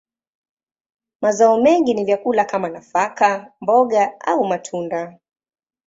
Mazao mengi ni vyakula kama nafaka, mboga, au matunda.